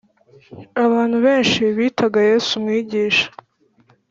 Abantu benshi bitaga Yesu Umwigisha